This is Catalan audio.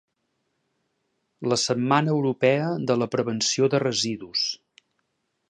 La Setmana Europea de la Prevenció de Residus.